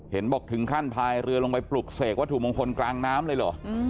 บอกถึงขั้นพายเรือลงไปปลุกเสกวัตถุมงคลกลางน้ำเลยเหรอ